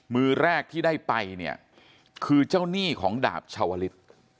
มือแรกที่ได้ไปเนี่ยคือเจ้าหนี้ของดาบชาวลิศ